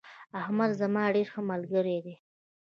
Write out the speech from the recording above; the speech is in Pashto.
احمد زما ډیر ښه ملگرى دي